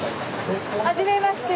はじめまして。